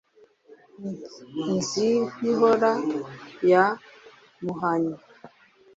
nzigw-ihora ya muhanyi